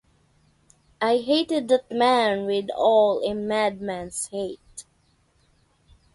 I hated that man with all a madman’s hate.